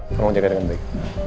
kamu jaga dengan baik